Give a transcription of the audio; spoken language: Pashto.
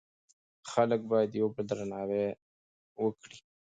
خلک باید یو بل درناوی کړي.